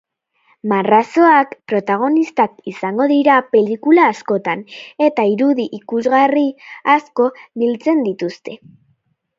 Marrazoak protagonista izango dira pelikula askotan eta irudi ikusgarri asko biltzen dituzte.